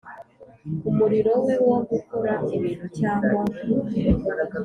Umurimo we wo gukora ibintu cyangwa